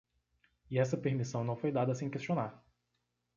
E essa permissão não foi dada sem questionar.